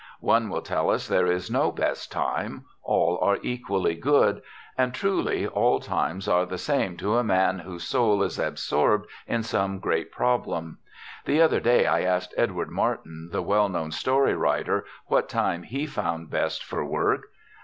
One will tell us there is no best time; all are equally good; and truly, all times are the same to a man whose soul is absorbed in some great problem. The other day I asked Edward Martin, the well known story writer, what time he found best for work.